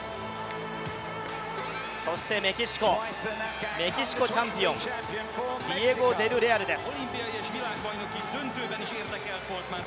そしてメキシコチャンピオン、ディエゴ・デルレアルです。